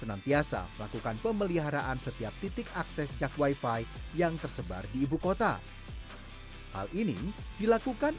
amtiasa lakukan pemeliharaan setiap titik akses jak wifi yang tersebar di ibu kota